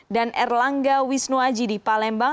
dan erlangga wisnuaji di palembang